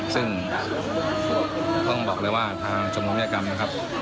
ซึ่งต้องบอกเลยว่าทางชมรมวิทยากรรมนะครับ